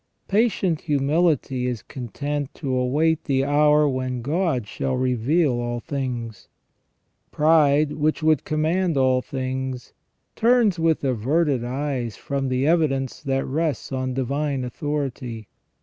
Patient humility is content to await the hour when God shall reveal all things. Pride, which would command all things, turns with averted eyes from the evidence that rests on divine authority.